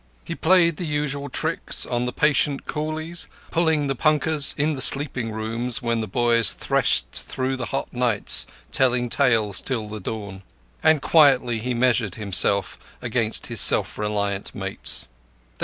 He played the usual tricks on the patient coolies pulling the punkahs in the sleeping rooms where the boys threshed through the hot nights telling tales till the dawn; and quietly he measured himself against his self reliant mates.